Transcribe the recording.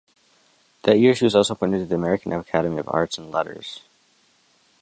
That year she was also appointed to the American Academy of Arts and Letters.